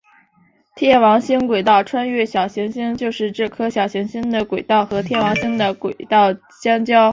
天王星轨道穿越小行星就是这颗小行星的轨道和天王星的轨道相交。